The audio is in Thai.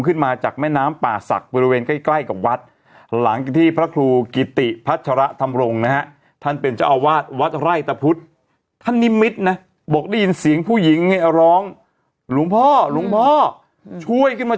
อุ้ยตายมันต้องกินอะไรเข้าไปเนี่ย